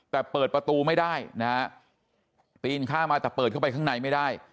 แต่เปิดประตูไม่ได้นะฮะปีนข้ามมาแต่เปิดเข้าไปข้างในไม่ได้